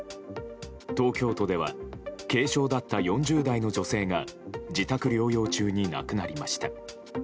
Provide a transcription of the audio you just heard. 東京都では軽症だった４０代の女性が自宅療養中に亡くなりました。